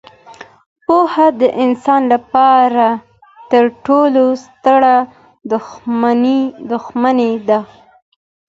پوهه د انسان لپاره تر ټولو ستره شتمني ده.